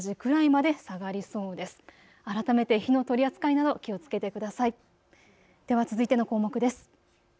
では続いての項目です。